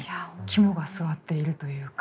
肝がすわっているというか。